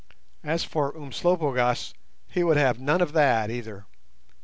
As for Umslopogaas, he would have none of that either.